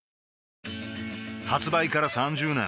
発売から３０年